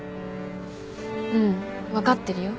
うん分かってるよ。